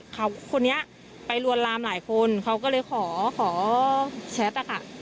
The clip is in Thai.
เขาคนนี้ไปลวนลามหลายคนเขาก็เลยขอขอแชทนะคะ